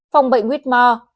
phòng bệnh huyết mò